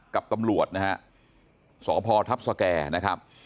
กับตำรวจนะฮะสพทัพสแก่นะครับ